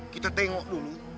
kita tengok dulu